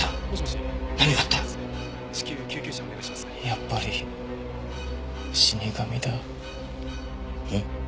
やっぱり死神だ。